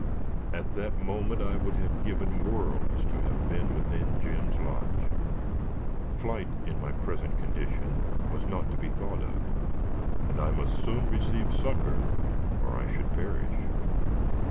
At that moment, I would have given worlds to have been within Jim's lodge. Flight, in my present condition, was not to be thought of, and I must soon receive succor or I should perish.